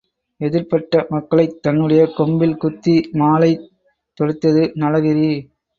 எதிர்ப்பட்ட மக்களைத் தன்னுடைய கொம்பில் குத்தி மாலை தொடுத்தது நளகிரி.